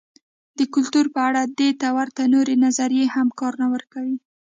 د کلتور په اړه دې ته ورته نورې نظریې هم کار نه ورکوي.